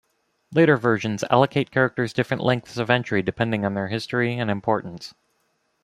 Later versions allocate characters different lengths of entry depending on their history and importance.